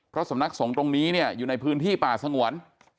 เพราะสำนักสงฆ์ตรงนี้เนี่ยอยู่ในพื้นที่ป่าสงวน